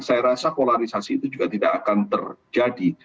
saya rasa polarisasi itu juga tidak akan terjadi